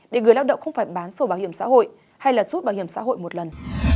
để người lao động không phải bán sổ bảo hiểm xã hội hay là rút bảo hiểm xã hội một lần